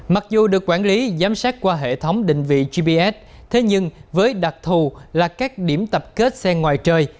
mặc dù được quản lý giám sát qua hệ thống định vị gps thế nhưng với đặc thù là các điểm tập kết xe ngoài trời